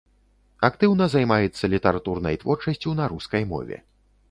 Актыўна займаецца літаратурнай творчасцю на рускай мове.